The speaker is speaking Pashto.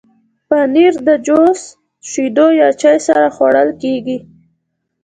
پنېر د جوس، شیدو یا چای سره خوړل کېږي.